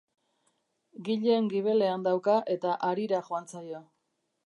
Gilen gibelean dauka eta harira joan zaio.